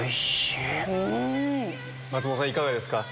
いかがですか？